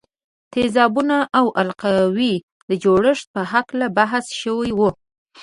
د تیزابونو او القلیو د جوړښت په هکله بحث شوی وو.